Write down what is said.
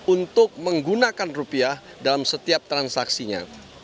untuk menggunakan rupiah dalam setiap transaksinya